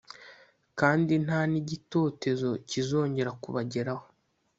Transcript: kandi nta n’igitotezo kizongera kubageraho.